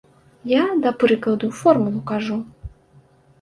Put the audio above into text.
Я, да прыкладу, формулу кажу.